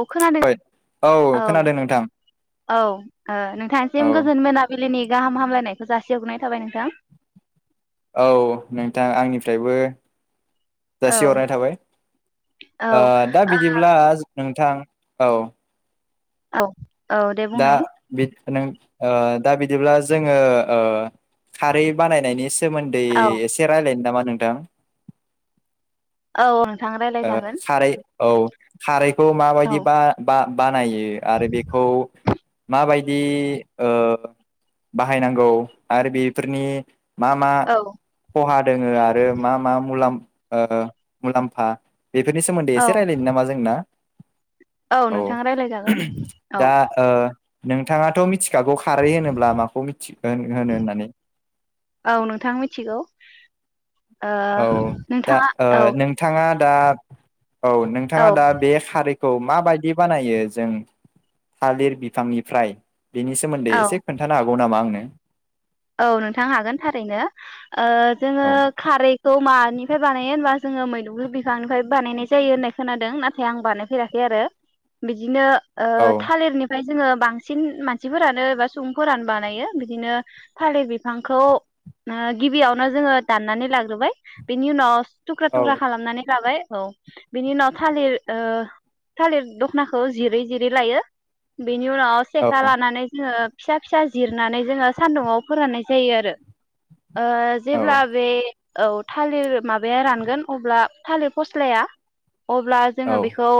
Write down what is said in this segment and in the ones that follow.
औ खोनादों औ खोनादों नोंथां औ ओ औ नोंथांसिम गोजोन मोनाबिलिनि गाहाम हामलायनायखौ जासि हग्रोनाय थाबाय नोंथां। औ नोंथां आंनिफ्रायबो। औ जासि हरनाय थाबाय औ आ दा बिदिब्ला नोंथां औ। औ। औ दे दा बुंनाय। बि नों ओ दा बिदिब्ला जोङो ओ खारै बानायनायनि सोमोन्दै औ एसे रायलायनो नामा? नोंथां। औ। नोंथां ओ रायलायजागोन सारै औ खारै। मा औ बायदि बा [inaudible] नायो आरो बेखौ। माबायदि बाहायनांगौ आरो बेफोरनि मा मा औ खहा दोङो आरो मा मा मुलाम मुलामलाम्फा। बेफोरनि सोमोन्दै औ एसे रायजलायनो नामा जोंना। औ नोंथाङा राय्लायजागोन औ। दा ओ नोंथाङाथ' मिथि खारै होनोब्ला माखौ मिथियो होनो होननानै औ नोंथां मिथिगौ ओ औ दा नोंथाङा औ नोंथाङा। दा। औ औ नोंथाङा दा बे खारै। खौ माबायदि बानायो जों थालिर बिफांनिफ्राय। बेनि सोमोन्दै औ एसे खोन्थानो हागौ नामा आंनो। [unintelligible] औ नोंथां हागोन थारैनो जोङो औ खारै मानिफ्राय बानायो होनबा जोङो मैद्रु बिफांनिफ्राय बानायनाय जायो होननाय खोनादों नाथाय आं बानायफेराखै आरो बिदिनो औ थालिरनिफ्राय जोङो बांसिन मानसिफोरानो एबा सुबुंफोरानो बानायो बिदिनो थालिर बिफांखौ गिबियावनो जोङो दाननानै लाग्रोबाय बेनि उनाव थुख्रा औ थुख्रा खालामनानै लाबाय औ बिनि उनाव थालिर थालिर दख'नाखौ जिरै जिरै लायो बेनि उनाव सेखा औ लानानै जोङो फिसा फिसा जिरनानै जोङो सान्दुंङाव फोराननाय जायो आरो औ जेब्ला बे औ थालिर माबाया रानगोन अब्ला थालिर फस्लाया अब्ला जोङो बेखौ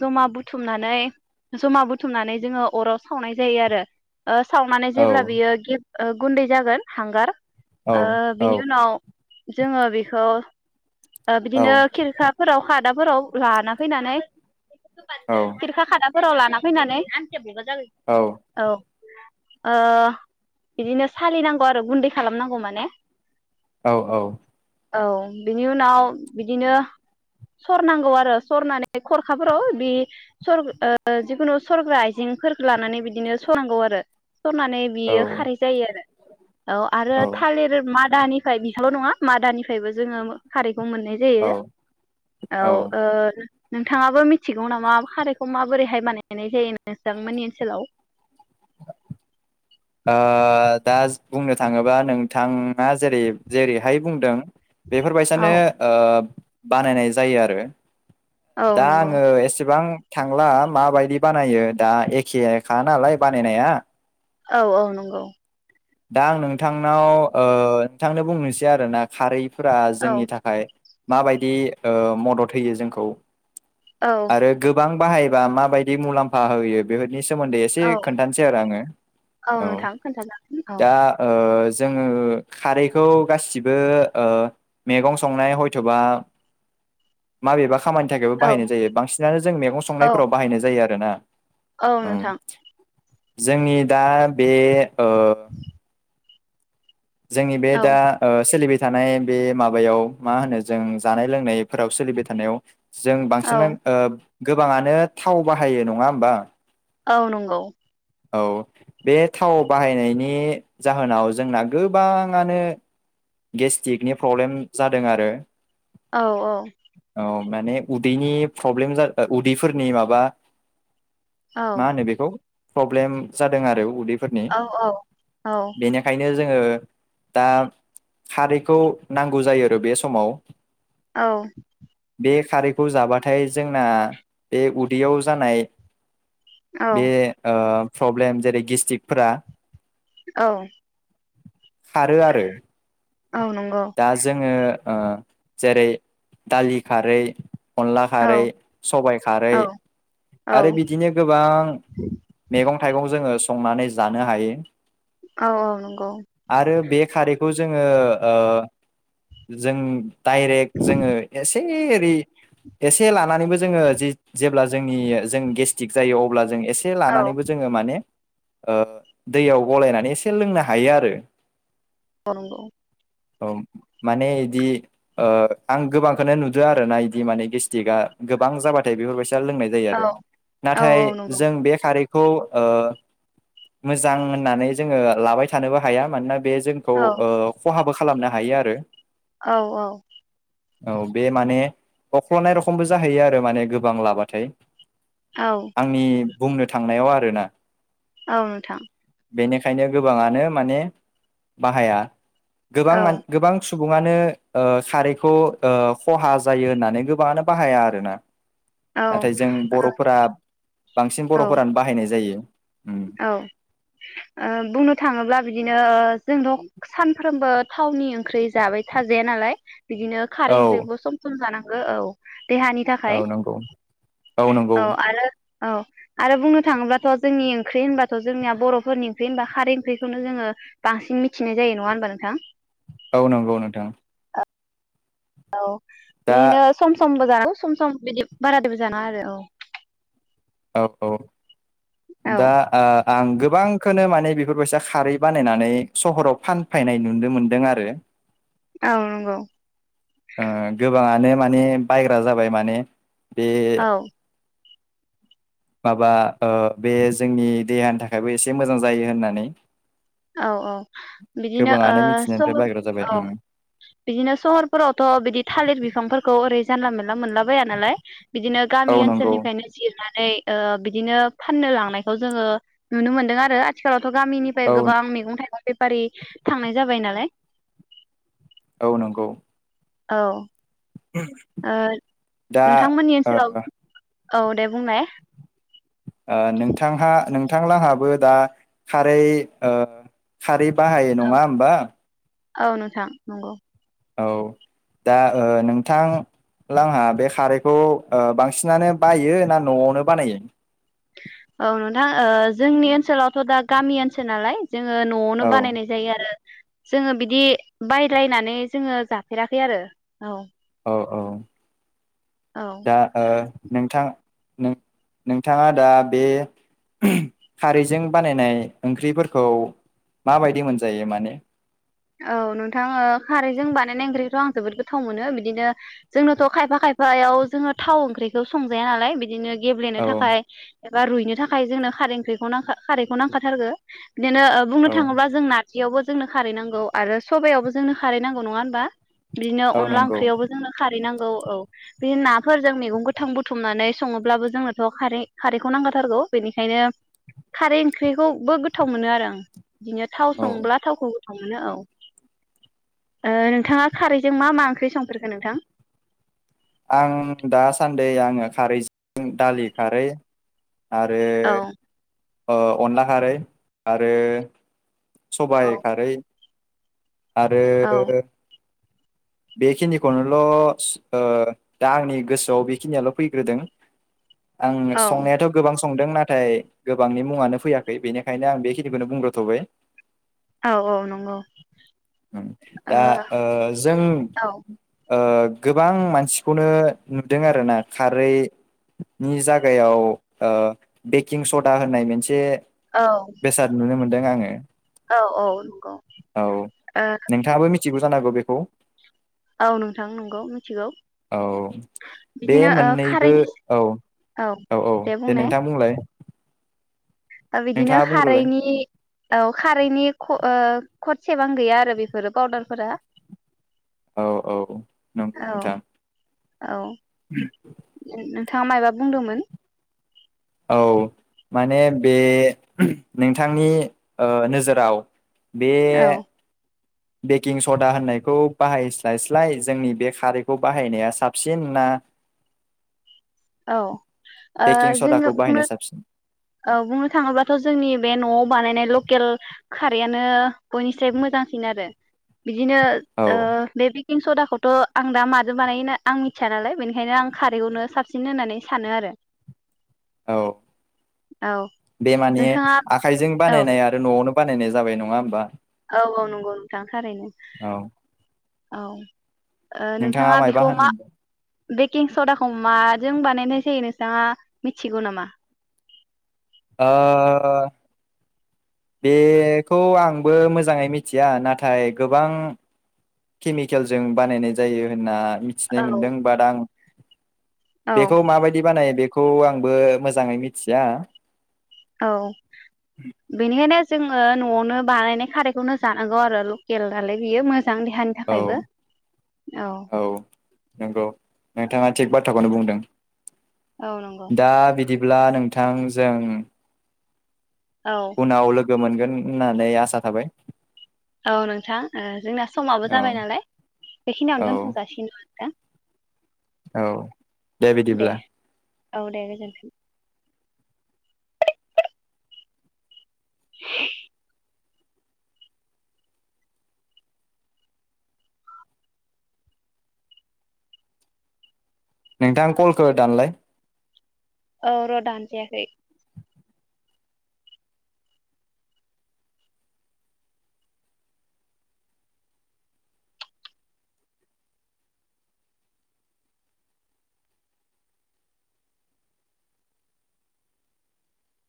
जमा बुथुमनानै जमा बुथुमनानै जोङो अराव सावनाय जायो आरो सावनानै जेब्ला औ बियो गेब्ले गुन्दै जागोन हांगार औ ओ औ बिनि उनाव जोङो बेखौ बिदिनो औ खिरखाफोराव खादाफोराव लाना फैनानै औ खिरखा खादाफोराव लाना फैनानै औ ओ बिदिनो सालिनांगौ आरो गुन्दै खालामनांगौ माने औ औ औ बिनि उनाव बिदिनो सरनांगौ आरो सरनानै खरखाफोराव बे सर जिखुनु सरग्रा आइजेंफोरखौ लानानै बिदिनो सरनांगौ आरो सरनानै बियो औ खारै जायो आरो औ आरो थालिर मा मादानिफ्राय बिखौल' नङा मादानिफ्रायबो जोङो खारै खौ मोननाय औ जायो औ ओ नोंथाङाबो मिथिगौ नामा खारैखौ माबोरैहाय बानायनाय जायो नोंथांमोननि ओनसोलाव ओ दा बुंनो थाङोबा नोंथाङा जेरै जेरैहाय बुंदों औ बेफोरबायसानो ओ बानायनाय जायो आरो औ दा नंगौ आङो एसेबां थांला माबायदि बानायो दा एखेखा नालाय बानायनाया औ औ नंगौ दा आं नोंथांनाव ओ नोंथांनो बुंनोसै आरो ना खारै फोरा औ जोंनि थाखाय माबायदि ओ मदद होयो जोंखौ औ आरो गोबां बाहायबा माबायदि मुलाम्फा होयो बेफोर नि सोमोन्दै एसे औ खोन्थानोसै आरो आङो औ नोंथां खोन्थाजागोन औ दा ओ जोंओ खारैखौ गासिबो ओ मेगं संनाय हयथबा माबेबा खामानिनि थाखायबो औ बाहायनाय जायो बांसिनानो जों मेगं औ संनायफोराव बाहायनाय जायो आरो ना औ नोंथां जोंनि दा बे ओ [inaudible] जोंनि बे औ दा ओ सोलिबाय थानाय बे माबायाव मा होनो जों जानाय लोंनायफोराव सोलिबाय थानायाव जों औ बांसिनानो ओब गोबाङानो थाव बाहायो नङा होमबा,? औ नंगौ औ बे थाव बाहायनायनि जाहोनाव जोंना गोबांङानो गेस्टि्रिकनि प्रब्लेम औ औ माने उदैनि प्रब्लेम जाद उदैफोरनि माबा औ मा होनो बेखौ? प्रब्लेम जादों आरो उदै फोरनि औ औ बेनिखायनो जोङो दा। खारैखौ नांगौ जायो आरो बे समाव औ बे खारैखौ जाबाथाय जोंना बे उदैयाव जानाय औ बे ओ प्रब्लेम जेरै गेस्टिरिकफोरा औ खारो आरो हर औ नंगौ दा जोङो ओ। जेरै दालि खारै। अनला औ खारै सबायाइ खारै औ औ आरो बिदिनो गोबां मैगं थाइगं जोङो स। संनानै जानो हायो। औ औ नंगौ आरो बे खारैखौ जों। ओ ओ जों। दडाइरेक्ट जोङो एसे। ओरि एसे लानानैबो जोङो जि। जेब्ला जोंनि जों गेस। गिस्टिक जायो अब्ला। जों एसे औ लानानैबो जोङो माने। दैयाव गलायनानै एसे लोंनो हायो आरो। अ नंग। औ माने इदि ओ आं गोबांखौनो नुदो आरोना इदि माने गेस्टिकआ गोबां जाबाथाय बेफोरबायदि। दा लोंनाय जायो औ आरो औ नाथाय औ नंगौ जों बे खारै। खौ ओ मोजां होननानै जोङो लाबाय थानोबो हाया मानोना। बे जोंखौ औ ओ। खहाबो खालामनो हायो आरो। औ औ औ बे माने अख्ल'नाय रखमबो जाहैयो आरो माने गोबां लाबाथाय औ आंनि बुंनो थांनायाव आरोना। औ नोंथां बेनिखायनो गोबाङानो माने बाहाया। गोबां औ मान गोबां सु सुबुङानो ओ खारैखौ ओ खहा जायो होननानै गोबाङानो बाहाया आरोना। औ नाथाय जों बर'फोरा बांसिन औ बर'फोरानो बाहायनाय जायो। उम औ ओ बुंनो थाङोब्ला बिदिनो जोंथ' सानफ्रोमबो थावनि ओंख्रि जाबाय थाजाया नालाय। बिदिनो खारै औ ओंख्रिबो सम सम जानांगौ। ओ औ देहानि औ थाखाय नंगौ औ आरो औ आरो बुंनो थाङोब्लाथ' जोंनि ओं ओंख्रि होनबाथ' जोंनिया बर'फोरनि ओंख्रि होनबा खारै ओंख्रिखौनो जोङो बांसिन मिथिनाय जायो नङा होनबा नोंथां? औ नंगौ नोंथां औ दा बिदिनो सम सम बो जानांंगौ सम सम बिदि बारादबो जानां आरो औ औ औ औ दा आ आं गोबांखौनो माने बेफोरबायसा खारै बानायनानै सहराव फानफैनाय नुनो मोनदों आरो औ नंगौ ओ गोबाङानो माने बायग्रा जाबाय माने बे औ माबा ओ बे जोंनि देहानि थाखायबो एसे मोजां जायो होननानै औ औ बिदिनो ओ गोबाङानो स' मिथिनायनिफ्राय बायग्रा जाबाय औ उम बिदिनो सहरफोरावथ' बिदि थालिर बिफांफोरखौ ओरै जानला मोन ला मोनलाबाया नालाय बिदिनो औ गामि नंगौ ओनसोलनिफ्रायनो जिरना नै ओ बिदिनो फाननो लांनायखौ जोंङो नुनो मोनदों आरो आथिखालावथ' गामिनिफ्राय औ गोबां मेगं थाइगं बेफारि थांनाय जाबाय नालाय औ नंगौ औ ओ दा नोंथांमोननि ओ ओनसोलाव औ दे बुंनाय ओ नोंथांहा नों बिथांलाहाबो दा खारै ओ खारै बाहायो औ नंङा होमबा औ नोंथां नंगौ औ दा ओ नोंथां लांहा बे खारैखौ ओ बांसिनानो बायो ना न'आवनो बानायो औ नोंथां ओ जोंनि ओनसोलावथ' दा गामि ओनसोल नालाय जोंङो न'आवनो औ बानायनाय जायो आरो जोंङो बिदि बायलायनानै जोंङो जाफेराखै आरो औ ओ औ औ दा ओ नोंथां नों नोंथांङा दा बे खारैजों बानायनाय ओंख्रिफोरखौ माबायदि मोनजायो माने औ नोंथां ओ खारैजों बानायनाय ओंख्रिखौथ' आं जोबोद गोथाव मोनो बिदिनो जोंनोथ' खायफा खायफायाव जोंङो थाव ओंख्रिखौ संजाया नालाय बिदिनो गेब्लेनो औ थाखाय एबा रुइनो थाखाय जोंनो खारै ओंख्रिखौ नांखा खारैखौ नांखाथारगो बिदिनो ओ बुंनो औ थांङोब्ला जोंना बेयावबो जोंनो खारै नां खौ आरो सबायावबो जोंनो खारैनांगौ नङा होमबा बिदिनो औ अनला नंगौ ओंख्रियावबो जोंनो खारै नां औ औ बे नाफोरजों मैगं गोथां बुथुमनानै सङोब्लाबो जोंनोथ खारै खारैखौ नांखा थारगौ बेनिखायनो खारै ओंख्रिखौबो गोथाव मोनो आरो आं नो थाव औ संब्ला थावखौ मोनो औ ओ नोंथाङा खारैजों मा मा ओंख्रि संफेरखो नोंथां आं दासान्दै आङो खारैजों दालि खारै आरो औ ओ अनला खारै आरो औ सबाय खारै औ आरो बेखिनिखौनोल स ओ दा आंनि गोसोआव बेखिनियाल फैग्रोदों आं संनायाथ गोबां संदों नाथाय गोबांनि मुङानो फैयाखै बेनिखायनो आं बेखिनिखौनो बुंग्रोथबाय औ औ नंगौ दा ओ जों औ ओ गोबां मानसिखौनो नुदों आरोना खारै नि जागायाव ओ बेकिं सद दा होननाय मोनसे औ बेसाद नुनो मोनदों आङो? औ- औ नंगौ। ओ मिथिखायोबो जानोहागौ बेखौ। औ नोंथां नंगौ मिथिगौ औ। बे बिदिनो ओ मोननैबो खारैनि औ -औ -औ दे नोंथां बुंलाय। ओ बिदिनो नोंथाङा बुंग्रोलाय खारैनि औ खारैनि ओ खटसेबां गैया आरो बेफोरो फावउदारफोरा। औ औ नंगौ नोंथां। औ नों थाङा मायबा बुंदोंमोन? औ माने बे नोंथांनि ओ नोजोराव बे औ बेकिं सदा होननायखौ बाहायस्लायस्लाय जोंनि बे खारैखौ बाहायनाया साबसिन ना? औ ओ बेकिं जोङो सदाखौ बुंनो बाहायनो साबसिन औ बुंनो थाङोबाथ जोंनि बे नआव बानायनाय ल केल खारैयानो बयनिफ्राय मोजांसिन आरो। बिदिनो औ ओ बे बि बेखिं सदाखौथ' आं दा माजों बानायो आं मिथिया नालाय बेनिखायनों खारैखौनो साब सिन होननानै सानो आरो। औ। औ बे माने नोंथाङा आखाइजों औ बानायनाय आरो न'आवनो बानायनाय जाबाय नङा होमबा। औ- औ नंगौ नोंथां थारैनो। औ औ। ओ नोंथाङा मायबा बेखौ मा होनदों? बेकिं सदाखौ माजों बानायनाय जायो नोंथाङा मिथिगौ नामा? अ' बेखौ आंबो मोजाङै मिथिया नाथाय गोबां केमिकेलजों बानायनाय जायो होनना औ मिथिनो मोनदों बाद आं औ बेखौ माबायदि बानायो बे खौ आंबो मोजाङै मिथिया। औ बेनिखायनो जोङो न'आवनो बानायनाय खारैखौनो जानांगौ आरो लकेल नालाय बियो मोजां। देहानि औ थाखायबो औ। नांगौ। नोंथाङा थिक बाथ्रा खौनो बुंदों औ नंगौ अब्ला नोंथांजों औ उनाव लोगो लोगो मोनगोन होननानै आसा थाबाय औ नोंथां जोंना समाबो औ जाबाय नालाय बेखिनियावनो औ दोनथ'जासिगोन द नोंथां औ दे बिदिब्ला औ दे गोजोनथों [unintelligible] नोंथां कलखौ दानलाय औ र' दानजायाखै